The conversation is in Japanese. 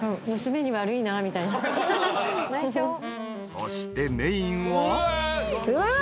［そしてメインは］